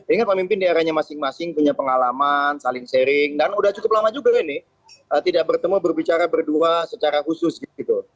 ingat pemimpin di eranya masing masing punya pengalaman saling sharing dan udah cukup lama juga ini tidak bertemu berbicara berdua secara khusus gitu